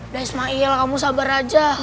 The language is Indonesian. dan ismail kamu sabar aja